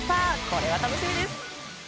これは楽しみです！